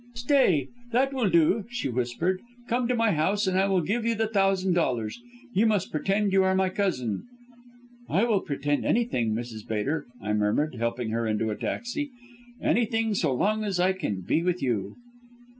"'Stay! that will do,' she whispered; 'come to my house and I will give you the thousand dollars. You must pretend you are my cousin.' "'I will pretend anything, Mrs. Bater,' I murmured, helping her into a taxi, 'anything so long as I can be with you.'"